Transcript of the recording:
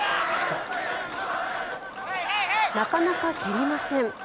なかなか蹴りません。